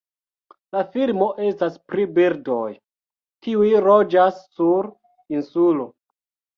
La filmo estas pri birdoj, kiuj loĝas sur insulo.